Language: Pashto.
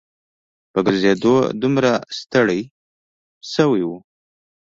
په ګرځېدو دومره ستړي شوي وو.